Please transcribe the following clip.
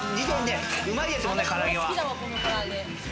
うまいですもんね、から揚げは。